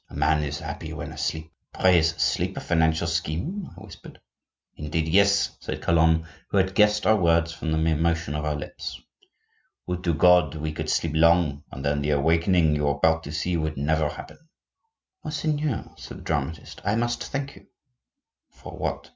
"A man is happy when asleep." "Pray, is sleep a financial scheme?" I whispered. "Indeed, yes!" said Calonne, who had guessed our words from the mere motion of our lips. "Would to God we could sleep long, and then the awakening you are about to see would never happen." "Monseigneur," said the dramatist, "I must thank you—" "For what?"